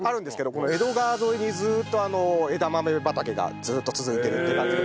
この江戸川沿いにずっと枝豆畑がずっと続いているって感じで。